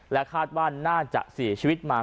คาดว่าน่าจะเสียชีวิตมา